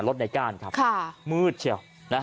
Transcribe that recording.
รถในก้านครับมืดเชียว